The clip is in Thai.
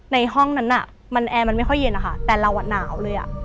ในห้องนั้นแอร์มันไม่ค่อยเย็นค่ะแต่ประมาณหนาวเลยอะ